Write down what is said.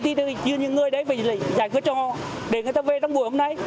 thì như những người đấy phải giải quyết cho để người ta về trong buổi hôm nay